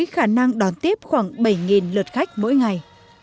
khả năng đón tiếp khoảng bảy lượt khách mỗi ngày